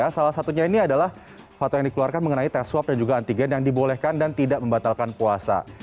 salah satunya ini adalah foto yang dikeluarkan mengenai tes swab dan juga antigen yang dibolehkan dan tidak membatalkan puasa